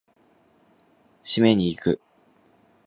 締めに行く！